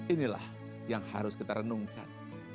inilah yang harus kita renungkan